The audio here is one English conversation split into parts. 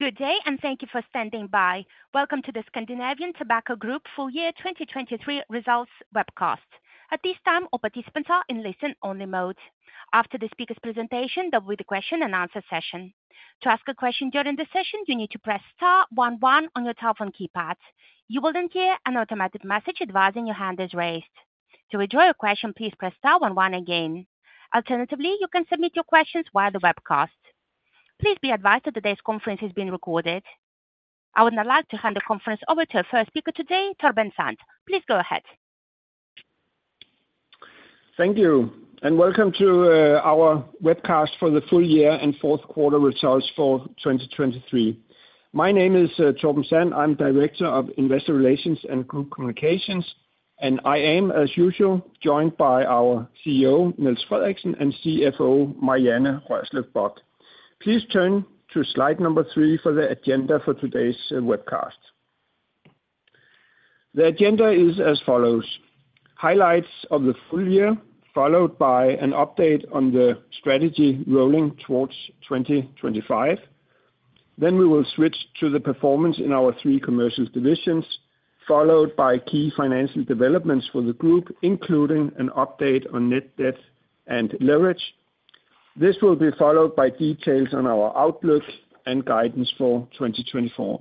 Good day, and thank you for standing by. Welcome to the Scandinavian Tobacco Group Full Year 2023 Results webcast. At this time, all participants are in listen-only mode. After the speaker's presentation, there'll be the question and answer session. To ask a question during the session, you need to press star one one on your telephone keypad. You will then hear an automatic message advising your hand is raised. To withdraw your question, please press star one one again. Alternatively, you can submit your questions via the webcast. Please be advised that today's conference is being recorded. I would now like to hand the conference over to our first speaker today, Torben Sand. Please go ahead. Thank you, and welcome to our webcast for the full year and fourth quarter results for 2023. My name is Torben Sand. I'm Director of Investor Relations and Group Communications, and I am, as usual, joined by our CEO, Niels Frederiksen, and CFO, Marianne Rørslev Bock. Please turn to slide number 3 for the agenda for today's webcast. The agenda is as follows: highlights of the full year, followed by an update on the strategy rolling towards 2025. Then we will switch to the performance in our three commercial divisions, followed by key financial developments for the group, including an update on net debt and leverage. This will be followed by details on our outlook and guidance for 2024.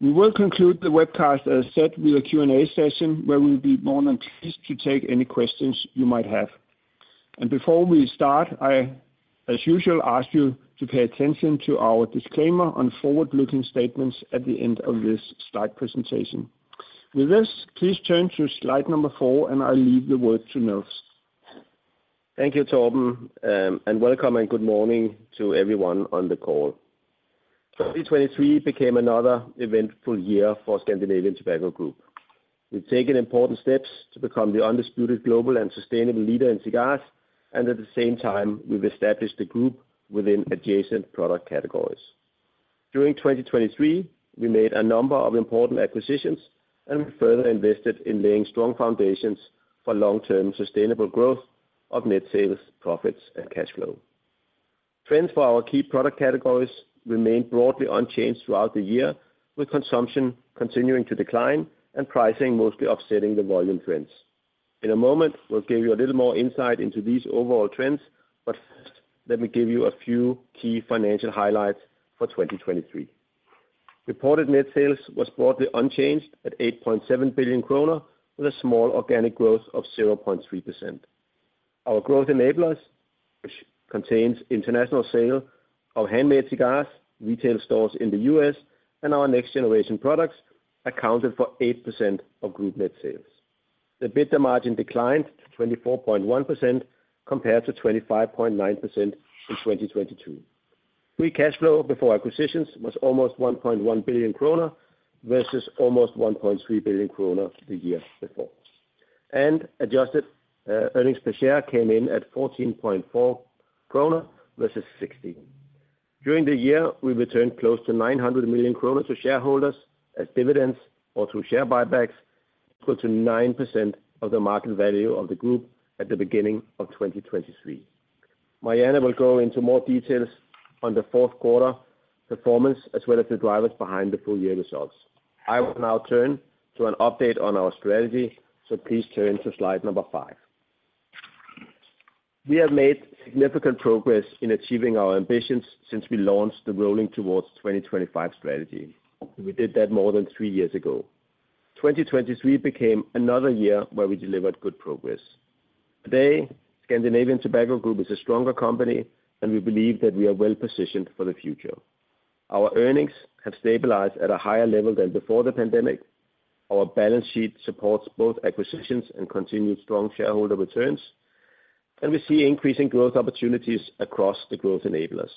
We will conclude the webcast, as I said, with a Q&A session, where we'll be more than pleased to take any questions you might have. Before we start, I, as usual, ask you to pay attention to our disclaimer on forward-looking statements at the end of this slide presentation. With this, please turn to slide number 4, and I'll leave the word to Niels. Thank you, Torben, and welcome and good morning to everyone on the call. 2023 became another eventful year for Scandinavian Tobacco Group. We've taken important steps to become the undisputed global and sustainable leader in cigars, and at the same time, we've established the group within adjacent product categories. During 2023, we made a number of important acquisitions, and we further invested in laying strong foundations for long-term sustainable growth of net sales, profits, and cash flow. Trends for our key product categories remained broadly unchanged throughout the year, with consumption continuing to decline and pricing mostly offsetting the volume trends. In a moment, we'll give you a little more insight into these overall trends, but first, let me give you a few key financial highlights for 2023. Reported net sales was broadly unchanged at 8.7 billion kroner, with a small organic growth of 0.3%. Our Growth Enablers, which contains international sale of handmade cigars, retail stores in the U.S., and our next-generation products, accounted for 8% of group net sales. The EBITDA margin declined to 24.1% compared to 25.9% in 2022. Free cash flow before acquisitions was almost 1.1 billion kroner versus almost 1.3 billion kroner the year before. Adjusted earnings per share came in at 14.4 kroner versus 16. During the year, we returned close to 900 million kroner to shareholders as dividends or through share buybacks, equal to 9% of the market value of the group at the beginning of 2023. Marianne will go into more details on the fourth quarter performance, as well as the drivers behind the full year results. I will now turn to an update on our strategy, so please turn to slide number 5. We have made significant progress in achieving our ambitions since we launched the Rolling Towards 2025 strategy. We did that more than three years ago. 2023 became another year where we delivered good progress. Today, Scandinavian Tobacco Group is a stronger company, and we believe that we are well-positioned for the future. Our earnings have stabilized at a higher level than before the pandemic, our balance sheet supports both acquisitions and continued strong shareholder returns, and we see increasing growth opportunities across the Growth Enablers.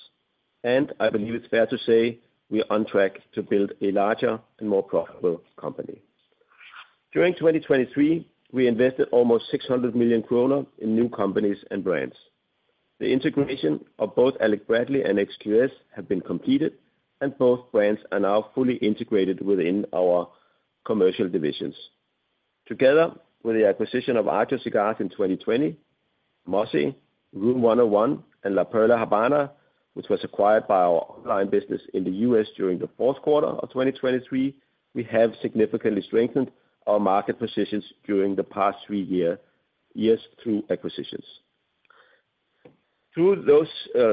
I believe it's fair to say we are on track to build a larger and more profitable company. During 2023, we invested almost 600 million kroner in new companies and brands. The integration of both Alec Bradley and XQS have been completed, and both brands are now fully integrated within our commercial divisions. Together with the acquisition of Agio Cigars in 2020, MOSI, Room 101, and La Perla Habana, which was acquired by our online business in the US during the fourth quarter of 2023, we have significantly strengthened our market positions during the past three years through acquisitions. Through those,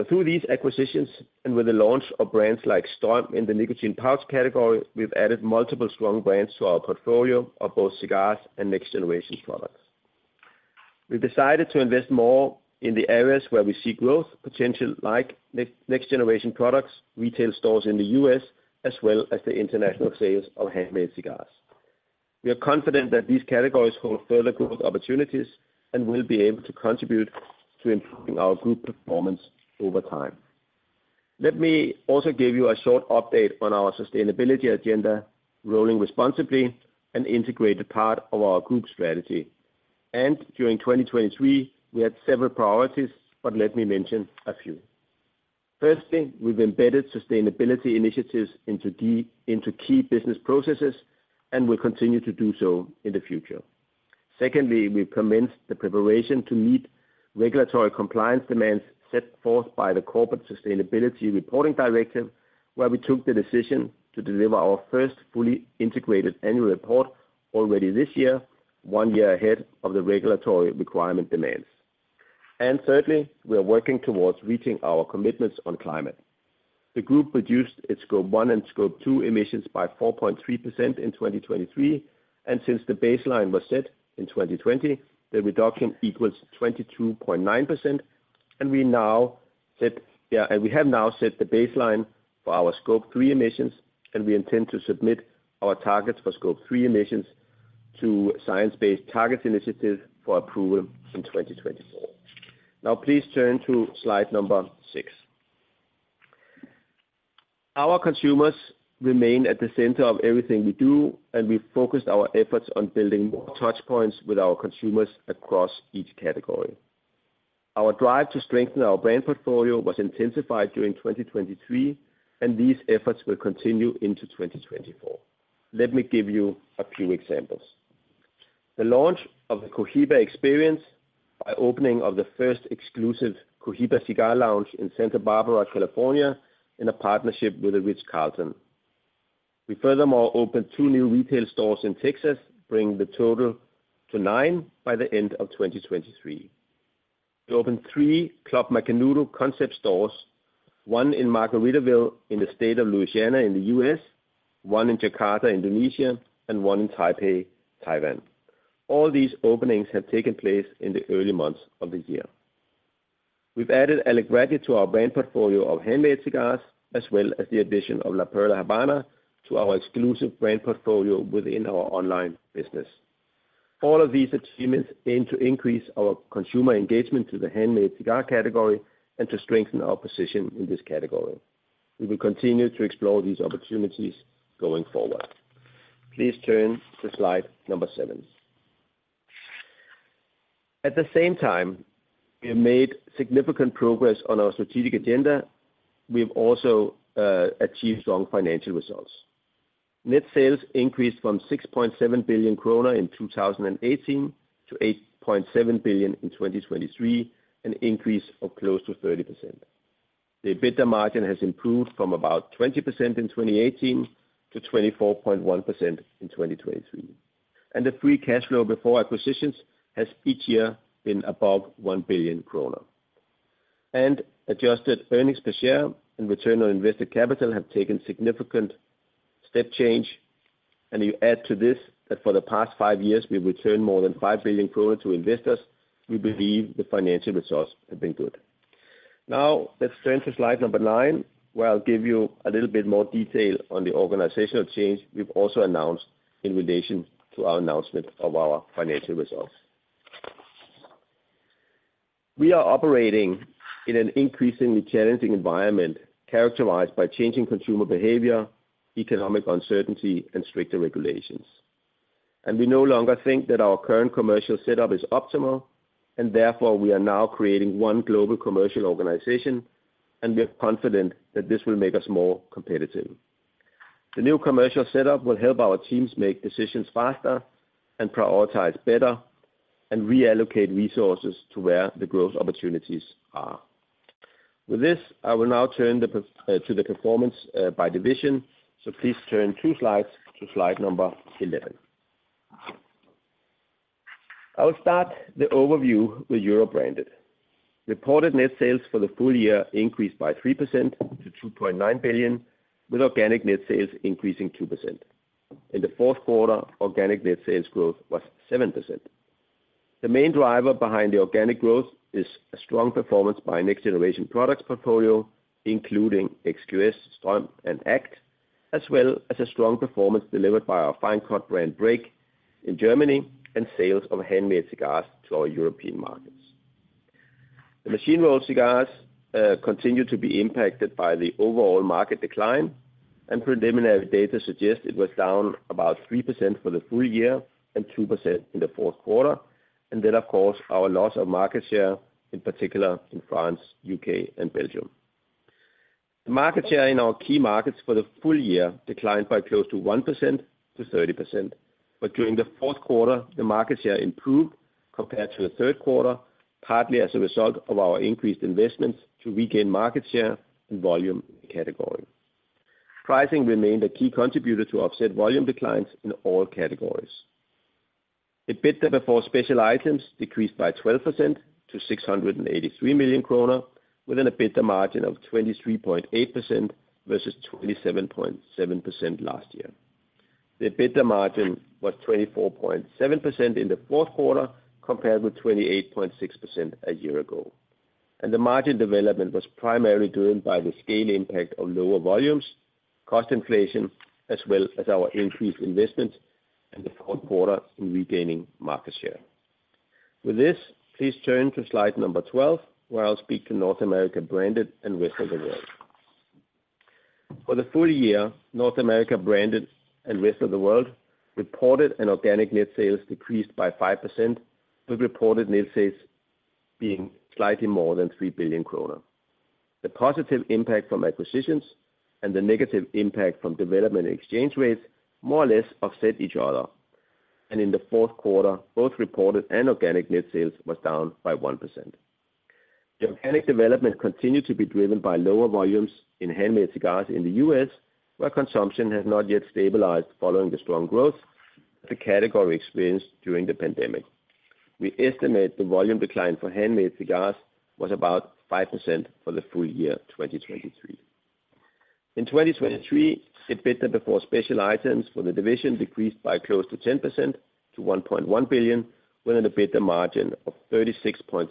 through these acquisitions, and with the launch of brands like Ström in the nicotine pouch category, we've added multiple strong brands to our portfolio of both cigars and next-generation products. We've decided to invest more in the areas where we see growth potential, like next-generation products, retail stores in the US, as well as the international sales of handmade cigars. We are confident that these categories hold further growth opportunities and will be able to contribute to improving our group performance over time. Let me also give you a short update on our sustainability agenda, Rolling Responsibly, an integrated part of our group strategy. And during 2023, we had several priorities, but let me mention a few. Firstly, we've embedded sustainability initiatives into key business processes and will continue to do so in the future. Secondly, we commenced the preparation to meet regulatory compliance demands set forth by the Corporate Sustainability Reporting Directive, where we took the decision to deliver our first fully integrated annual report already this year, one year ahead of the regulatory requirement demands. And thirdly, we are working towards reaching our commitments on climate. The group reduced its Scope 1 and Scope 2 emissions by 4.3% in 2023, and since the baseline was set in 2020, the reduction equals 22.9%. We have now set the baseline for our Scope 3 emissions, and we intend to submit our targets for Scope 3 emissions to Science Based Targets initiative for approval in 2024. Now, please turn to slide number 6. Our consumers remain at the center of everything we do, and we've focused our efforts on building more touchpoints with our consumers across each category. Our drive to strengthen our brand portfolio was intensified during 2023, and these efforts will continue into 2024. Let me give you a few examples. The launch of the Cohiba Experience by opening of the first exclusive Cohiba Cigar Lounge in Santa Barbara, California, in a partnership with the Ritz-Carlton. We furthermore opened two new retail stores in Texas, bringing the total to nine by the end of 2023. We opened three Club Macanudo concept stores, one in Margaritaville, in the state of Louisiana, in the U.S., one in Jakarta, Indonesia, and one in Taipei, Taiwan. All these openings have taken place in the early months of the year. We've added Alec Bradley to our brand portfolio of handmade cigars, as well as the addition of La Perla Habana to our exclusive brand portfolio within our online business. All of these achievements aim to increase our consumer engagement to the handmade cigar category and to strengthen our position in this category. We will continue to explore these opportunities going forward. Please turn to slide number 7. At the same time, we have made significant progress on our strategic agenda. We've also achieved strong financial results. Net sales increased from 6.7 billion krone in 2018 to 8.7 billion in 2023, an increase of close to 30%. The EBITDA margin has improved from about 20% in 2018 to 24.1% in 2023, and the free cash flow before acquisitions has each year been above 1 billion kroner. And adjusted earnings per share and return on invested capital have taken significant step change. And you add to this, that for the past five years, we've returned more than 5 billion kroner to investors; we believe the financial results have been good. Now, let's turn to slide number 9, where I'll give you a little bit more detail on the organizational change we've also announced in relation to our announcement of our financial results. We are operating in an increasingly challenging environment, characterized by changing consumer behavior, economic uncertainty, and stricter regulations. We no longer think that our current commercial setup is optimal, and therefore we are now creating one global commercial organization, and we are confident that this will make us more competitive. The new commercial setup will help our teams make decisions faster and prioritize better and reallocate resources to where the growth opportunities are. With this, I will now turn to the performance by division. So please turn two slides to slide number 11. I will start the overview with Europe Branded. Reported net sales for the full year increased by 3% to 2.9 billion, with organic net sales increasing 2%. In the fourth quarter, organic net sales growth was 7%. The main driver behind the organic growth is a strong performance by next generation products portfolio, including XQS, Ström, and ACT, as well as a strong performance delivered by our fine cut brand Break in Germany, and sales of handmade cigars to our European markets. The machine-rolled cigars continue to be impacted by the overall market decline, and preliminary data suggests it was down about 3% for the full year and 2% in the fourth quarter, and then, of course, our loss of market share, in particular in France, UK, and Belgium. The market share in our key markets for the full year declined by close to 1% to 30%, but during the fourth quarter, the market share improved compared to the third quarter, partly as a result of our increased investments to regain market share and volume in the category. Pricing remained a key contributor to offset volume declines in all categories. EBITDA before special items decreased by 12% to 683 million kroner, with an EBITDA margin of 23.8% versus 27.7% last year. The EBITDA margin was 24.7% in the fourth quarter, compared with 28.6% a year ago. The margin development was primarily driven by the scale impact of lower volumes, cost inflation, as well as our increased investment in the fourth quarter in regaining market share. With this, please turn to slide number 12, where I'll speak to North America Branded and Rest of the World. For the full year, North America Branded and Rest of the World reported and organic net sales decreased by 5%, with reported net sales being slightly more than 3 billion kroner. The positive impact from acquisitions and the negative impact from development and exchange rates more or less offset each other. In the fourth quarter, both reported and organic net sales was down by 1%. The organic development continued to be driven by lower volumes in handmade cigars in the U.S., where consumption has not yet stabilized following the strong growth the category experienced during the pandemic. We estimate the volume decline for handmade cigars was about 5% for the full year 2023. In 2023, EBITDA before special items for the division decreased by close to 10% to 1.1 billion, with an EBITDA margin of 36.3%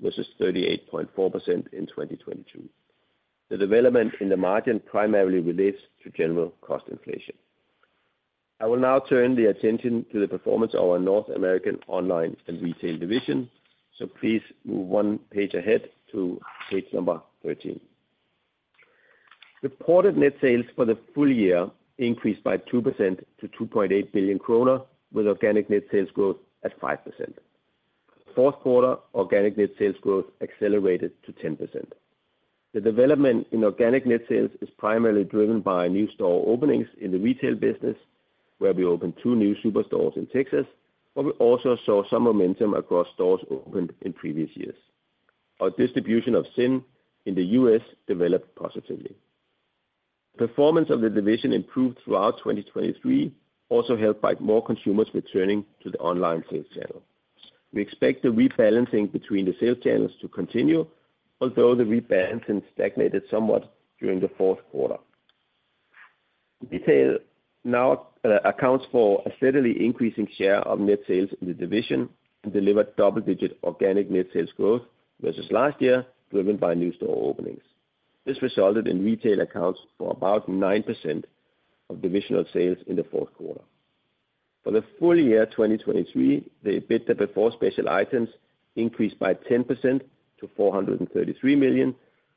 versus 38.4% in 2022. The development in the margin primarily relates to general cost inflation. I will now turn the attention to the performance of our North American Online & Retail division. So please move one page ahead to page 13. Reported net sales for the full year increased by 2% to 2.8 billion kroner, with organic net sales growth at 5%. Fourth quarter organic net sales growth accelerated to 10%. The development in organic net sales is primarily driven by new store openings in the retail business, where we opened two new superstores in Texas, but we also saw some momentum across stores opened in previous years. Our distribution of ZYN in the U.S. developed positively. Performance of the division improved throughout 2023, also helped by more consumers returning to the online sales channel. We expect the rebalancing between the sales channels to continue, although the rebalancing stagnated somewhat during the fourth quarter. Retail now accounts for a steadily increasing share of net sales in the division and delivered double-digit organic net sales growth versus last year, driven by new store openings. This resulted in retail accounts for about 9% of divisional sales in the fourth quarter. For the full year 2023, the EBITDA before special items increased by 10% to 433 million,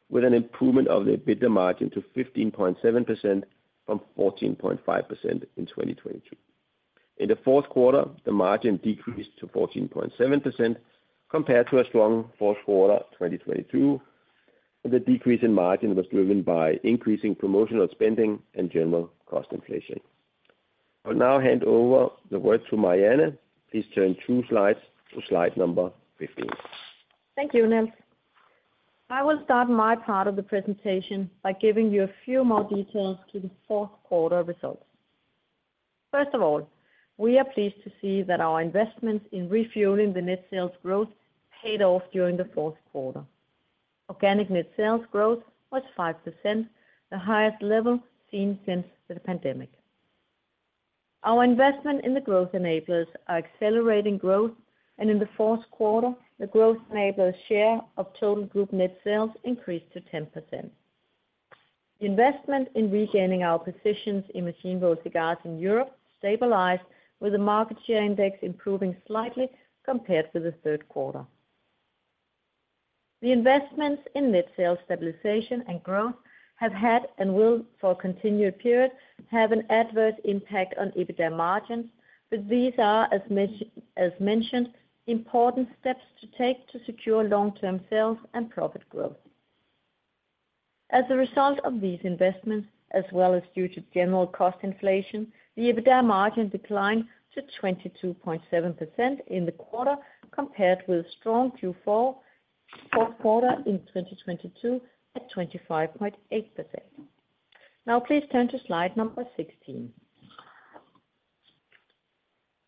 with an improvement of the EBITDA margin to 15.7% from 14.5% in 2022. In the fourth quarter, the margin decreased to 14.7% compared to a strong fourth quarter 2022. The decrease in margin was driven by increasing promotional spending and general cost inflation. I'll now hand over the word to Marianne. Please turn two slides to slide number 15. Thank you, Niels. I will start my part of the presentation by giving you a few more details to the fourth quarter results. First of all, we are pleased to see that our investments in refueling the net sales growth paid off during the fourth quarter. Organic net sales growth was 5%, the highest level seen since the pandemic. Our investment in the Growth Enablers are accelerating growth, and in the fourth quarter, the Growth Enablers share of total group net sales increased to 10%. Investment in regaining our positions in machine-rolled cigars in Europe stabilized, with the market share index improving slightly compared to the third quarter. The investments in net sales stabilization and growth have had, and will for a continued period, have an adverse impact on EBITDA margins, but these are, as mentioned, important steps to take to secure long-term sales and profit growth. As a result of these investments, as well as due to general cost inflation, the EBITDA margin declined to 22.7% in the quarter, compared with strong Q4, fourth quarter in 2022 at 25.8%. Now, please turn to slide number 16.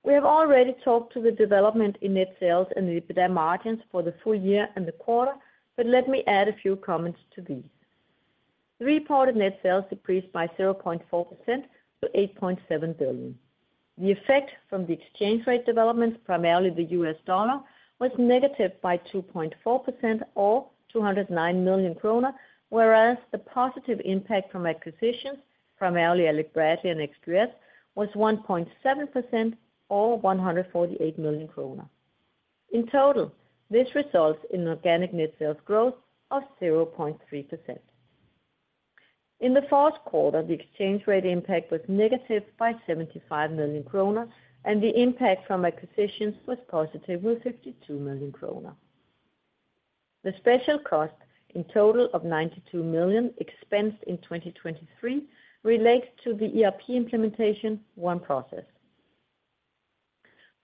We have already talked to the development in net sales and the EBITDA margins for the full year and the quarter, but let me add a few comments to these. The reported net sales decreased by 0.4% to 8.7 billion. The effect from the exchange rate developments, primarily the US dollar, was negative by 2.4% or 209 million kroner, whereas the positive impact from acquisitions, primarily Alec Bradley and XQS, was 1.7% or 148 million kroner. In total, this results in organic net sales growth of 0.3%. In the fourth quarter, the exchange rate impact was negative by 75 million kroner, and the impact from acquisitions was positive with 52 million kroner. The special cost, in total of 92 million expensed in 2023, relates to the ERP implementation OneProcess.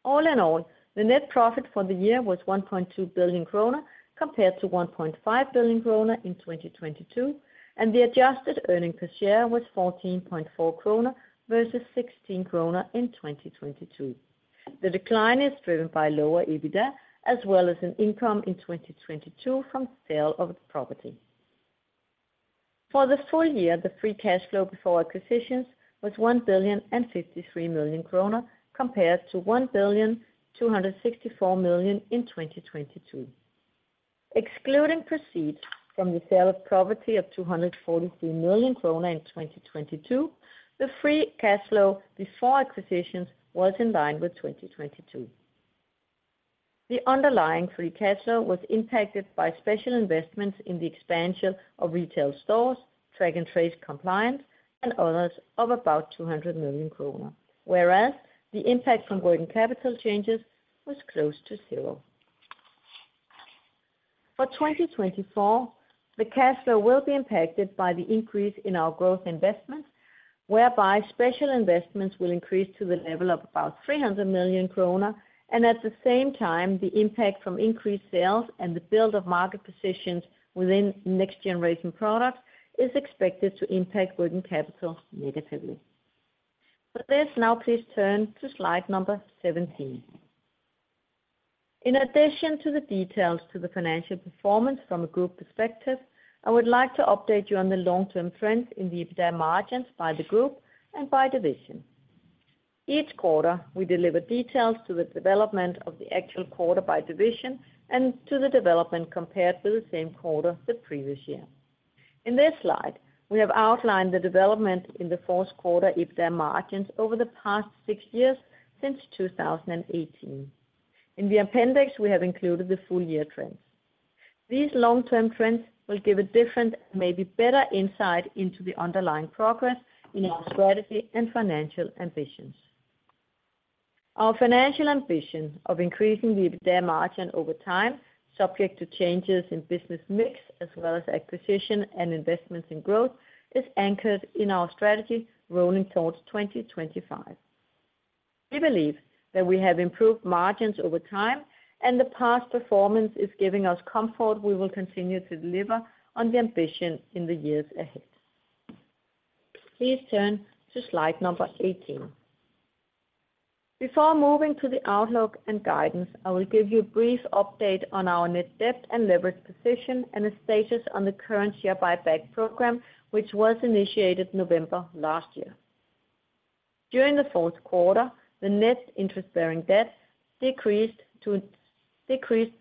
All in all, the net profit for the year was 1.2 billion kroner, compared to 1.5 billion kroner in 2022, and the adjusted earnings per share was 14.4 kroner versus 16 kroner in 2022. The decline is driven by lower EBITDA, as well as an income in 2022 from sale of the property. For the full year, the free cash flow before acquisitions was 1,053 million kroner, compared to 1,264 million in 2022. Excluding proceeds from the sale of property of 243 million kroner in 2022, the free cash flow before acquisitions was in line with 2022. The underlying free cash flow was impacted by special investments in the expansion of retail stores, Track and Trace compliance, and others of about 200 million kroner, whereas the impact from working capital changes was close to zero. For 2024, the cash flow will be impacted by the increase in our growth investments, whereby special investments will increase to the level of about 300 million kroner, and at the same time, the impact from increased sales and the build of market positions within next generation products is expected to impact working capital negatively. For this, now please turn to slide number 17. In addition to the details to the financial performance from a group perspective, I would like to update you on the long-term trends in the EBITDA margins by the group and by division. Each quarter, we deliver details to the development of the actual quarter by division and to the development compared to the same quarter the previous year. In this slide, we have outlined the development in the fourth quarter EBITDA margins over the past six years since 2018. In the appendix, we have included the full year trends. These long-term trends will give a different, maybe better, insight into the underlying progress in our strategy and financial ambitions. Our financial ambition of increasing the EBITDA margin over time, subject to changes in business mix as well as acquisition and investments in growth, is anchored in our strategy Rolling Towards 2025. We believe that we have improved margins over time, and the past performance is giving us comfort we will continue to deliver on the ambition in the years ahead. Please turn to slide 18. Before moving to the outlook and guidance, I will give you a brief update on our net debt and leverage position, and a status on the current share buyback program, which was initiated November last year. During the fourth quarter, the net interest-bearing debt decreased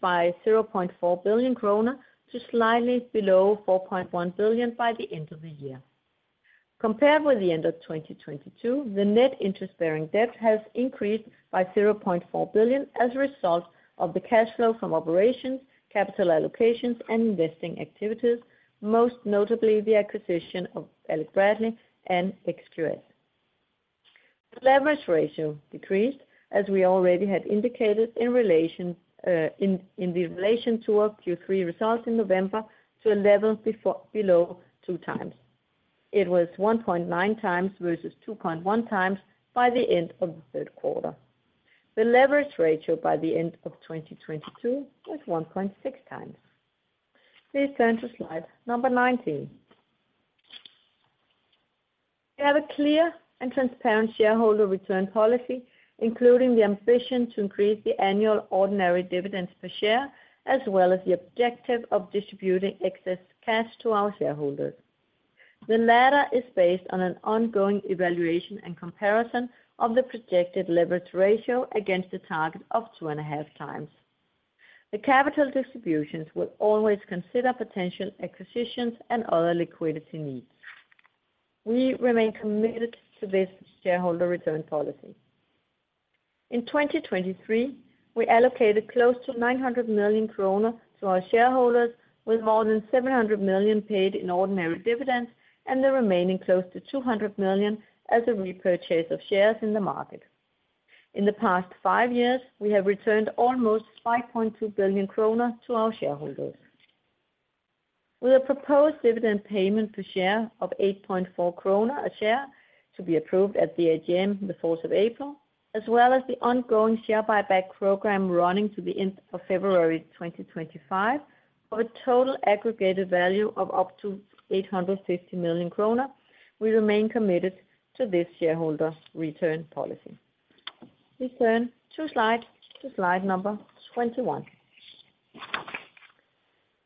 by 0.4 billion kroner to slightly below 4.1 billion by the end of the year. Compared with the end of 2022, the net interest-bearing debt has increased by 0.4 billion as a result of the cash flow from operations, capital allocations, and investing activities, most notably the acquisition of Alec Bradley and XQS. The leverage ratio decreased, as we already had indicated, in relation to our Q3 results in November, to a level below 2x. It was 1.9x versus 2.1x by the end of the third quarter. The leverage ratio by the end of 2022 was 1.6x. Please turn to slide number 19. We have a clear and transparent shareholder return policy, including the ambition to increase the annual ordinary dividends per share, as well as the objective of distributing excess cash to our shareholders. The latter is based on an ongoing evaluation and comparison of the projected leverage ratio against a target of 2.5x. The capital distributions will always consider potential acquisitions and other liquidity needs. We remain committed to this shareholder return policy. In 2023, we allocated close to 900 million kroner to our shareholders, with more than 700 million paid in ordinary dividends, and the remaining close to 200 million as a repurchase of shares in the market. In the past five years, we have returned almost 5.2 billion kroner to our shareholders. With a proposed dividend payment per share of 8.4 kroner per share, to be approved at the AGM the April 4th, as well as the ongoing share buyback program running to the end of February 2025, of a total aggregated value of up to 850 million kroner, we remain committed to this shareholder return policy. Please turn to slide number 21.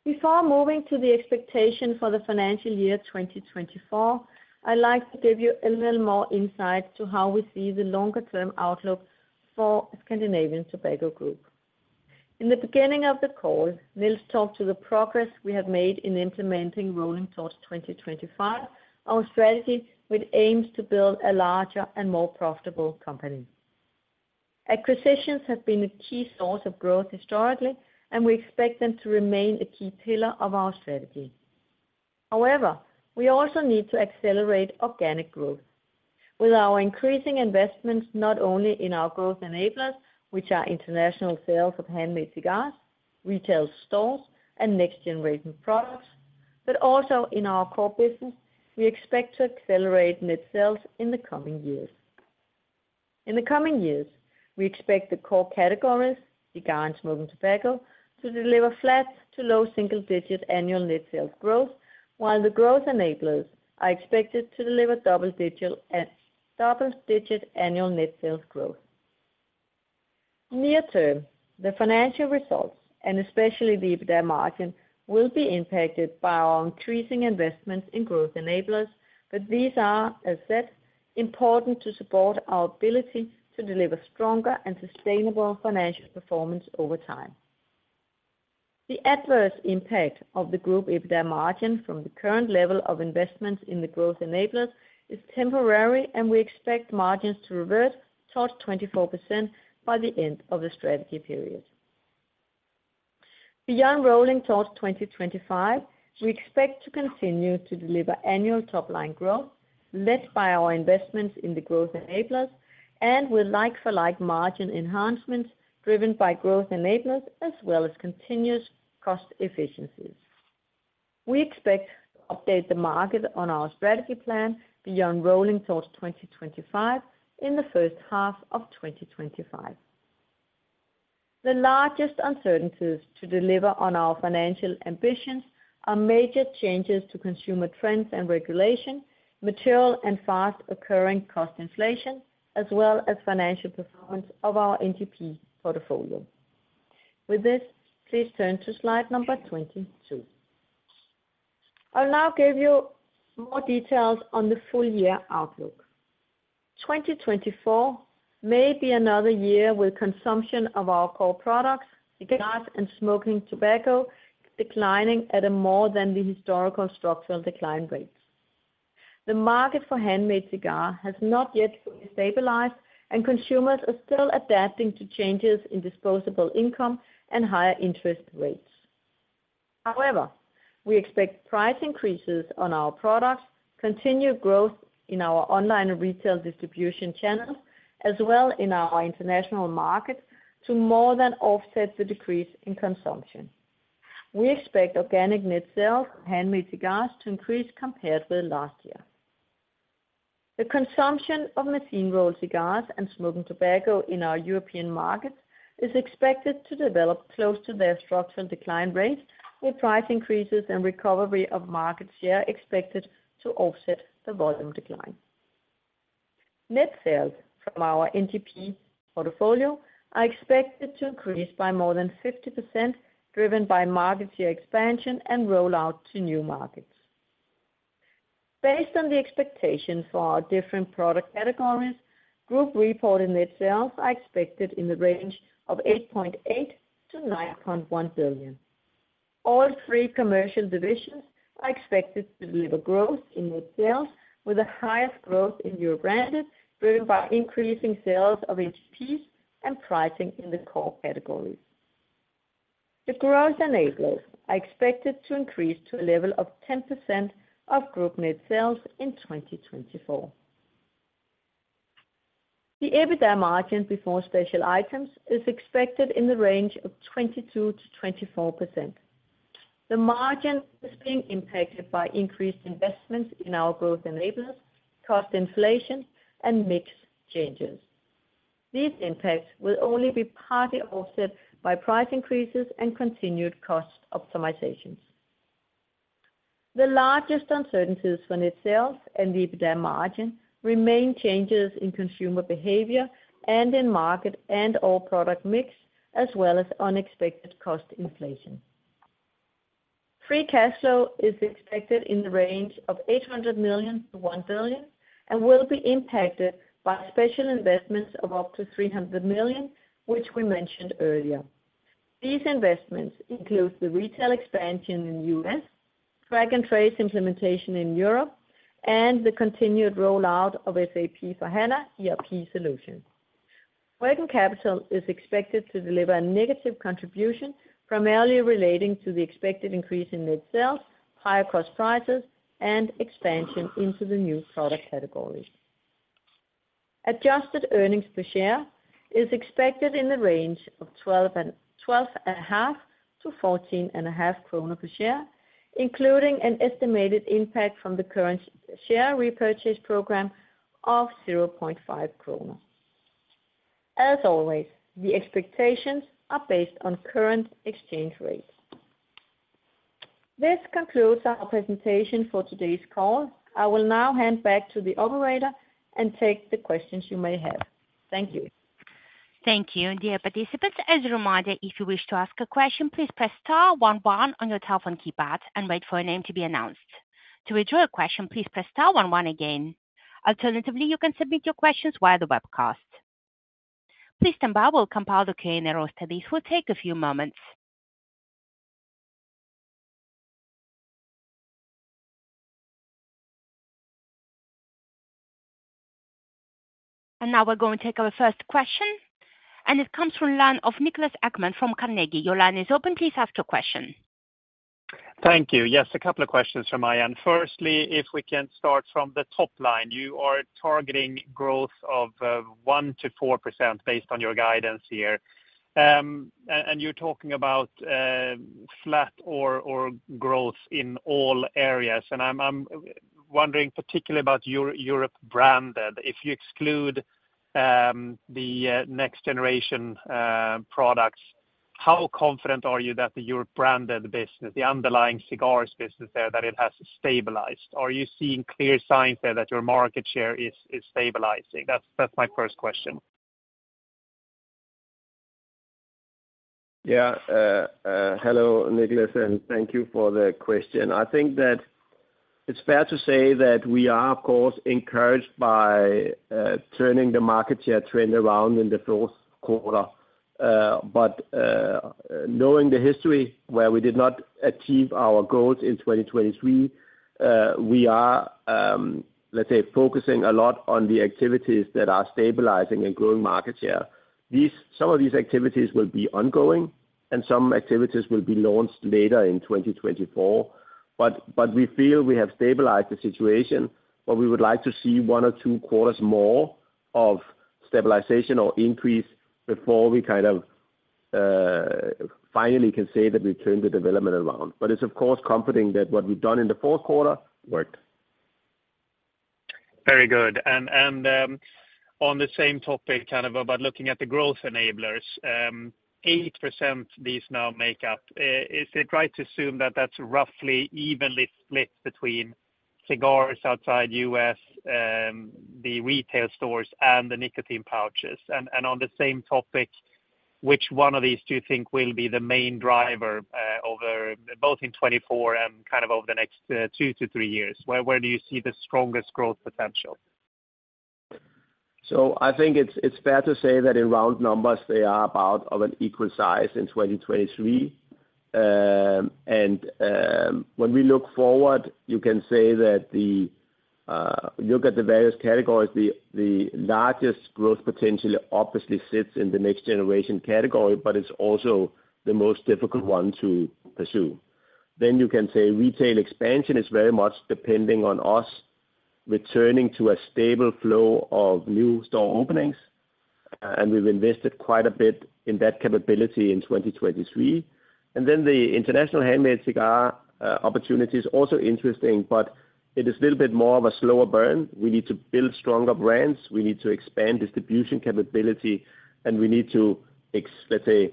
Before moving to the expectation for the financial year 2024, I'd like to give you a little more insight to how we see the longer term outlook for Scandinavian Tobacco Group. In the beginning of the call, Niels talked to the progress we have made in implementing Rolling Towards 2025, our strategy, which aims to build a larger and more profitable company. Acquisitions have been a key source of growth historically, and we expect them to remain a key pillar of our strategy. However, we also need to accelerate organic growth. With our increasing investments, not only in our Growth Enablers, which are international sales of handmade cigars, retail stores, and Next Generation Products, but also in our core business, we expect to accelerate net sales in the coming years. In the coming years, we expect the core categories, cigar and smoking tobacco, to deliver flat to low single-digit annual net sales growth, while the Growth Enablers are expected to deliver double-digit annual net sales growth. Near term, the financial results, and especially the EBITDA margin, will be impacted by our increasing investments in Growth Enablers, but these are, as said, important to support our ability to deliver stronger and sustainable financial performance over time. The adverse impact of the group EBITDA margin from the current level of investments in the Growth Enablers is temporary, and we expect margins to revert towards 24% by the end of the strategy period. Beyond Rolling Towards 2025, we expect to continue to deliver annual top line growth, led by our investments in the Growth Enablers, and with like-for-like margin enhancements driven by Growth Enablers as well as continuous cost efficiencies. We expect to update the market on our strategy plan beyond Rolling Towards 2025 in the first half of 2025. The largest uncertainties to deliver on our financial ambitions are major changes to consumer trends and regulation, material and fast occurring cost inflation, as well as financial performance of our NGP portfolio. With this, please turn to slide number 22. I'll now give you more details on the full year outlook. 2024 may be another year with consumption of our core products, cigars, and smoking tobacco declining at a more than the historical structural decline rates. The market for handmade cigar has not yet fully stabilized, and consumers are still adapting to changes in disposable income and higher interest rates. However, we expect price increases on our products, continued growth in our online retail distribution channels, as well in our international markets, to more than offset the decrease in consumption. We expect organic net sales of handmade cigars to increase compared with last year. The consumption of machine-rolled cigars and smoking tobacco in our European markets is expected to develop close to their structural decline rates, with price increases and recovery of market share expected to offset the volume decline. Net sales from our NGP portfolio are expected to increase by more than 50%, driven by market share expansion and rollout to new markets. Based on the expectation for our different product categories, group reported net sales are expected in the range of 8.8 billion-9.1 billion. All three commercial divisions are expected to deliver growth in net sales, with the highest growth in Europe Branded, driven by increasing sales of NGPs and pricing in the core categories. The Growth Enablers are expected to increase to a level of 10% of group net sales in 2024. The EBITDA margin before special items is expected in the range of 22%-24%. The margin is being impacted by increased investments in our Growth Enablers, cost inflation, and mix changes. These impacts will only be partly offset by price increases and continued cost optimizations. The largest uncertainties from net sales and the EBITDA margin remain changes in consumer behavior and in market and all product mix, as well as unexpected cost inflation. Free cash flow is expected in the range of 800 million-1 billion, and will be impacted by special investments of up to 300 million, which we mentioned earlier. These investments include the retail expansion in the U.S., Track and Trace implementation in Europe, and the continued rollout of SAP S/4HANA ERP solution. Working capital is expected to deliver a negative contribution, primarily relating to the expected increase in net sales, higher cross prices, and expansion into the new product categories. Adjusted earnings per share is expected in the range of 12.5-14.5 kroner per share, including an estimated impact from the current share repurchase program of 0.5 kroner. As always, the expectations are based on current exchange rates. This concludes our presentation for today's call. I will now hand back to the operator and take the questions you may have. Thank you. Thank you. Dear participants, as a reminder, if you wish to ask a question, please press star one one on your telephone keypad and wait for your name to be announced. To withdraw your question, please press star one one again. Alternatively, you can submit your questions via the webcast. Please stand by, we will compile the Q&A roster. This will take a few moments. Now we're going to take our first question, and it comes from the line of Niklas Ekman from Carnegie. Your line is open. Please ask your question. Thank you. Yes, a couple of questions from my end. Firstly, if we can start from the top line. You are targeting growth of 1%-4% based on your guidance here. And you're talking about flat or growth in all areas. And I'm wondering particularly about Europe Branded. If you exclude the Next Generation Products, how confident are you that the Europe Branded business, the underlying cigars business there, that it has stabilized? Are you seeing clear signs there that your market share is stabilizing? That's my first question. Yeah. Hello, Niklas, and thank you for the question. I think that it's fair to say that we are, of course, encouraged by turning the market share trend around in the fourth quarter. But knowing the history where we did not achieve our goals in 2023, we are, let's say, focusing a lot on the activities that are stabilizing and growing market share.... these, some of these activities will be ongoing, and some activities will be launched later in 2024. But, but we feel we have stabilized the situation, but we would like to see one or two quarters more of stabilization or increase before we kind of finally can say that we've turned the development around. But it's of course comforting that what we've done in the fourth quarter worked. Very good. And on the same topic, kind of about looking at the Growth Enablers, 8% these now make up. Is it right to assume that that's roughly evenly split between cigars outside U.S., the retail stores and the nicotine pouches? And on the same topic, which one of these do you think will be the main driver over both in 2024 and kind of over the next two to three years? Where do you see the strongest growth potential? So I think it's fair to say that in round numbers, they are about of an equal size in 2023. And when we look forward, you can say that the look at the various categories, the largest growth potential obviously sits in the next generation category, but it's also the most difficult one to pursue. Then you can say retail expansion is very much depending on us returning to a stable flow of new store openings, and we've invested quite a bit in that capability in 2023. And then the international handmade cigar opportunity is also interesting, but it is a little bit more of a slower burn. We need to build stronger brands, we need to expand distribution capability, and we need to, let's say,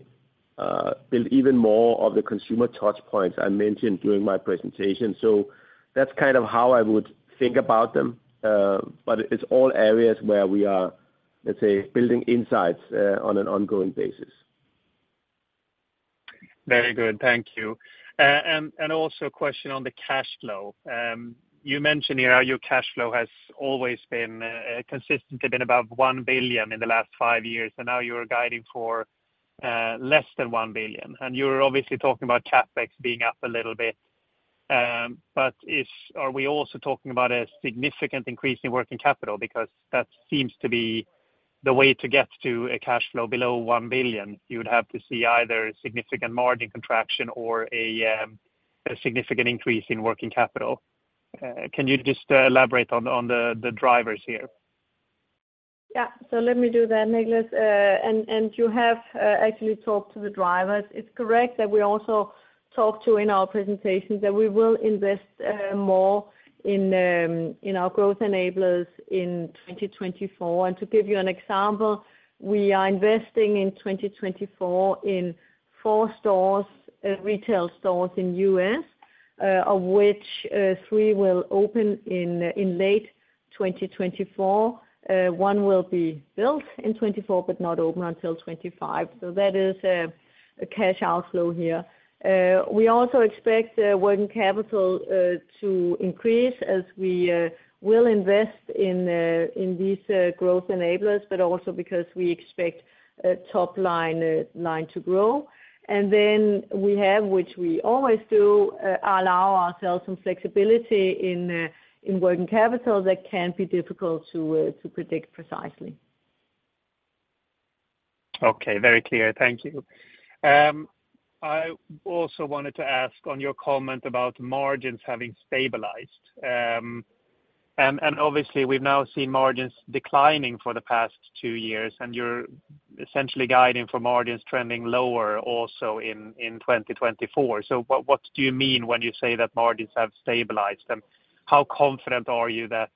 build even more of the consumer touch points I mentioned during my presentation. So that's kind of how I would think about them. But it's all areas where we are, let's say, building insights, on an ongoing basis. Very good. Thank you. And also a question on the cash flow. You mentioned here how your cash flow has always been consistently been above 1 billion in the last five years, and now you are guiding for less than 1 billion. And you're obviously talking about CapEx being up a little bit. But are we also talking about a significant increase in working capital? Because that seems to be the way to get to a cash flow below 1 billion. You would have to see either significant margin contraction or a significant increase in working capital. Can you just elaborate on the drivers here? Yeah. So let me do that, Niklas. And you have actually talked to the drivers. It's correct that we also talked to in our presentation that we will invest more in our Growth Enablers in 2024. To give you an example, we are investing in 2024 in four stores, retail stores in U.S., of which three will open in late 2024. One will be built in 2024, but not open until 2025. So that is a cash outflow here. We also expect working capital to increase as we will invest in these Growth Enablers, but also because we expect a top line line to grow. Then we have, which we always do, allow ourselves some flexibility in working capital that can be difficult to predict precisely. Okay. Very clear. Thank you. I also wanted to ask on your comment about margins having stabilized. And obviously, we've now seen margins declining for the past two years, and you're essentially guiding for margins trending lower also in 2024. So what do you mean when you say that margins have stabilized? And how confident are you that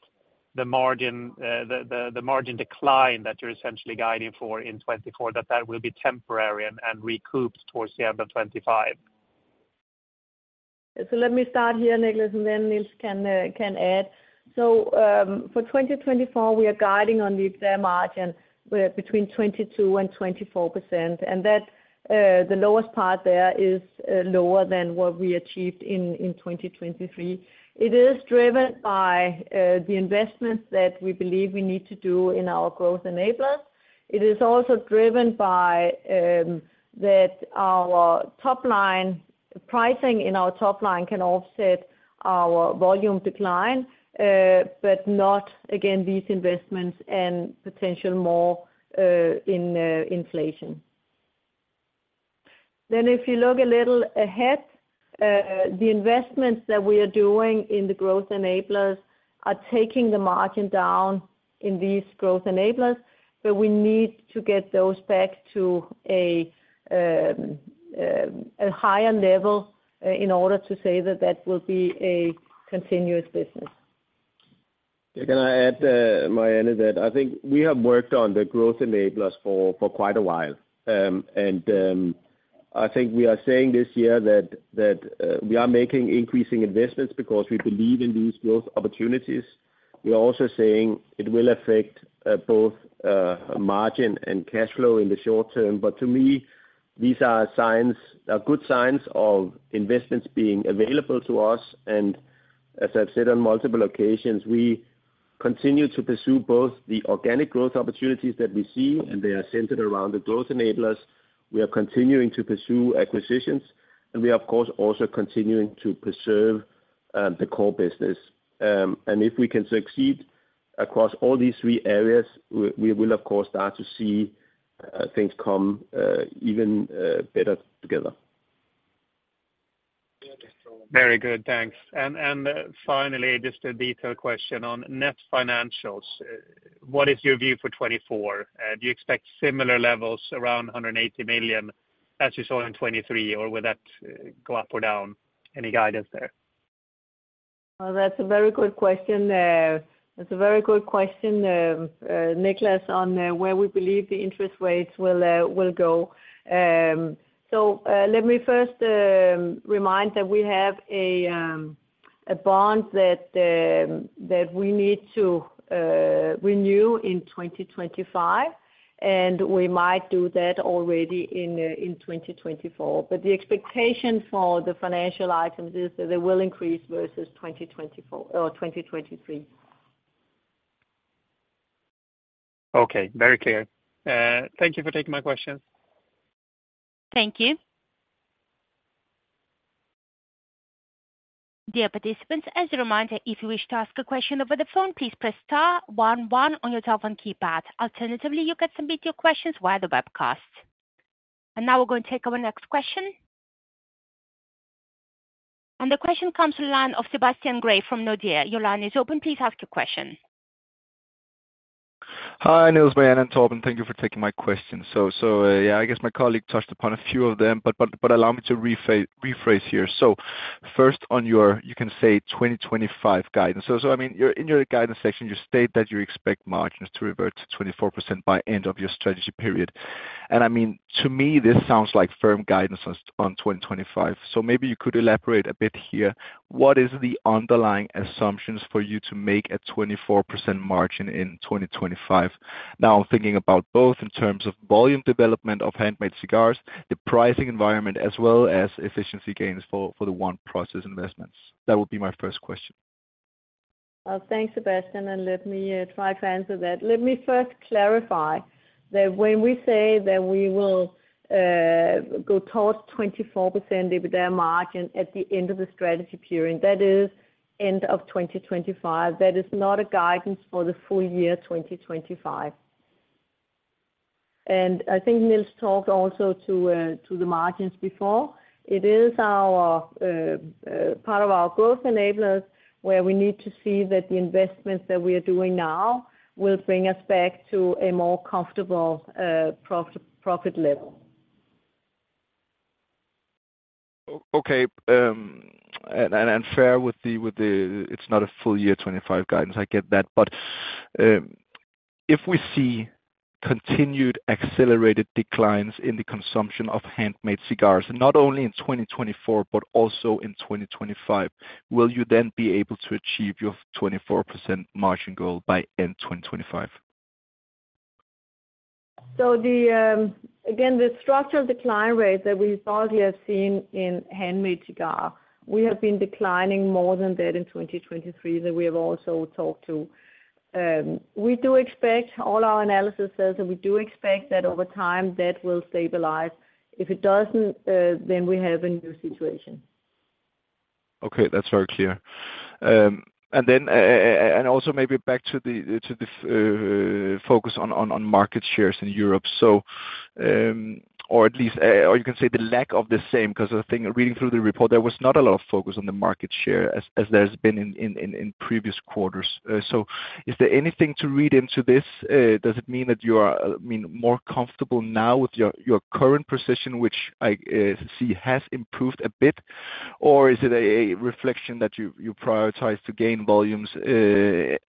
the margin decline that you're essentially guiding for in 2024 will be temporary and recouped towards the end of 2025? So let me start here, Niklas, and then Niels can add. So, for 2024, we are guiding on the margin between 22% and 24%, and that the lowest part there is lower than what we achieved in 2023. It is driven by the investments that we believe we need to do in our Growth Enablers. It is also driven by that our top line, pricing in our top line can offset our volume decline, but not again these investments and potential more in inflation. Then, if you look a little ahead, the investments that we are doing in the Growth Enablers are taking the margin down in these Growth Enablers, but we need to get those back to a higher level, in order to say that that will be a continuous business. Can I add my end to that? I think we have worked on the Growth Enablers for quite a while. I think we are saying this year that we are making increasing investments because we believe in these growth opportunities. We are also saying it will affect both margin and cash flow in the short term. But to me, these are good signs of investments being available to us. And as I've said on multiple occasions, we continue to pursue both the organic growth opportunities that we see, and they are centered around the Growth Enablers. We are continuing to pursue acquisitions, and we are, of course, also continuing to preserve the core business. If we can succeed across all these three areas, we will of course start to see things come even better together. Very good, thanks. And, finally, just a detail question on net financials. What is your view for 2024? Do you expect similar levels around 180 million as you saw in 2023, or will that go up or down? Any guidance there? Well, that's a very good question. That's a very good question, Niklas, on where we believe the interest rates will go. So, let me first remind that we have a bond that we need to renew in 2025, and we might do that already in 2024. But the expectation for the financial items is that they will increase versus 2023, or 2024. Okay. Very clear. Thank you for taking my questions. Thank you. Dear participants, as a reminder, if you wish to ask a question over the phone, please press star one one on your telephone keypad. Alternatively, you can submit your questions via the webcast. Now we're going to take our next question. The question comes from the line of Sebastian Grave from Nordea. Your line is open. Please ask your question. Hi, Niels, Marianne, and Torben. Thank you for taking my question. So, yeah, I guess my colleague touched upon a few of them, but allow me to rephrase here. So first on your 2025 guidance. So I mean, in your guidance section, you state that you expect margins to revert to 24% by end of your strategy period, and I mean, to me, this sounds like firm guidance on 2025. So maybe you could elaborate a bit here. What is the underlying assumptions for you to make a 24% margin in 2025? Now, I'm thinking about both in terms of volume development of handmade cigars, the pricing environment, as well as efficiency gains for the OneProcess investments. That would be my first question. Thanks, Sebastian, and let me try to answer that. Let me first clarify that when we say that we will go towards 24% EBITDA margin at the end of the strategy period, that is end of 2025. That is not a guidance for the full year 2025. And I think Nils talked also to the margins before. It is our part of our Growth Enablers, where we need to see that the investments that we are doing now will bring us back to a more comfortable profit, profit level. Okay. And fair with the, with the... It's not a full year 25 guidance, I get that. But, if we see continued accelerated declines in the consumption of handmade cigars, not only in 2024, but also in 2025, will you then be able to achieve your 24% margin goal by end 2025? So, again, the structural decline rate that we saw here seen in handmade cigars, we have been declining more than that in 2023, that we have also talked to. We do expect, all our analysis says that we do expect that over time, that will stabilize. If it doesn't, then we have a new situation. Okay. That's very clear. And then also maybe back to the focus on market shares in Europe. Or at least, or you can say the lack of the same, 'cause I think reading through the report, there was not a lot of focus on the market share as there has been in previous quarters. So is there anything to read into this? Does it mean that you are, I mean, more comfortable now with your current position, which I see has improved a bit? Or is it a reflection that you prioritize to gain volumes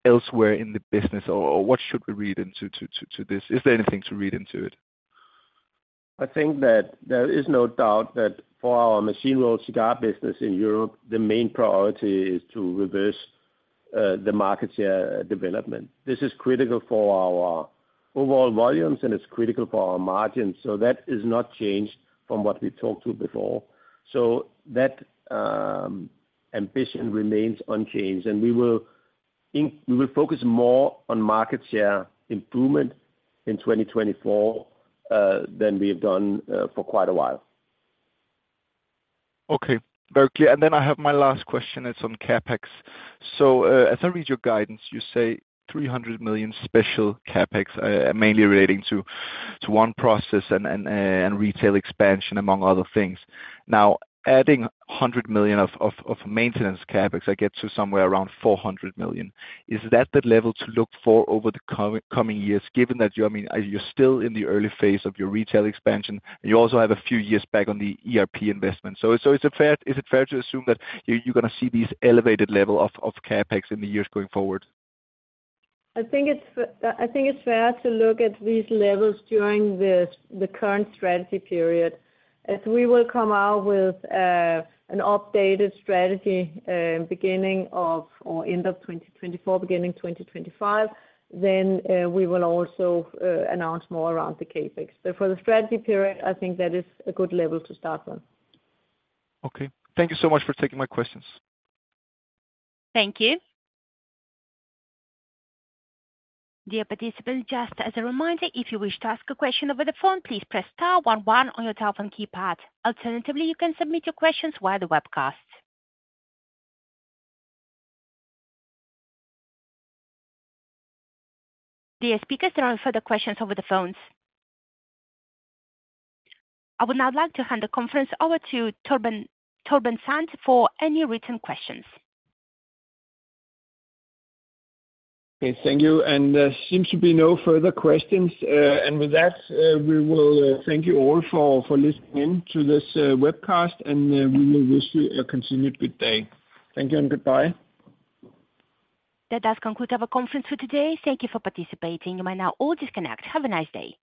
elsewhere in the business? Or what should we read into this? Is there anything to read into it? I think that there is no doubt that for our machine-rolled cigar business in Europe, the main priority is to reverse the market share development. This is critical for our overall volumes, and it's critical for our margins, so that is not changed from what we talked to before. That ambition remains unchanged, and we will focus more on market share improvement in 2024 than we have done for quite a while. Okay. Very clear. And then I have my last question. It's on CapEx. So, as I read your guidance, you say 300 million special CapEx, mainly relating to OneProcess and retail expansion, among other things. Now, adding 100 million of maintenance CapEx, I get to somewhere around 400 million. Is that the level to look for over the coming years, given that you, I mean, you're still in the early phase of your retail expansion, and you also have a few years back on the ERP investment. So, is it fair to assume that you're gonna see these elevated level of CapEx in the years going forward? I think it's fair to look at these levels during this, the current strategy period. As we will come out with an updated strategy, beginning of or end of 2024, beginning 2025, then, we will also announce more around the CapEx. But for the strategy period, I think that is a good level to start from. Okay. Thank you so much for taking my questions. Thank you. Dear participants, just as a reminder, if you wish to ask a question over the phone, please press star one one on your telephone keypad. Alternatively, you can submit your questions via the webcast. Dear speakers, there are no further questions over the phones. I would now like to hand the conference over to Torben, Torben Sand for any written questions. Okay. Thank you, and there seems to be no further questions. With that, we will thank you all for, for listening in to this webcast, and we will wish you a continued good day. Thank you and goodbye. That does conclude our conference for today. Thank you for participating. You may now all disconnect. Have a nice day.